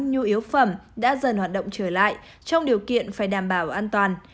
nhu yếu phẩm đã dần hoạt động trở lại trong điều kiện phải đảm bảo an toàn